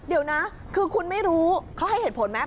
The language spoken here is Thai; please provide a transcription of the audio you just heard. เดี๋ยวนะคือคุณไม่รู้เขาให้เหตุผลไหม